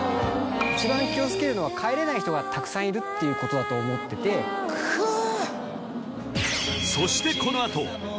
一番気を付けるのは帰れない人がたくさんいるってことだと思ってくう！